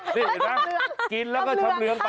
นี่เห็นมั้ยกินแล้วก็ช้ำเหลืองไป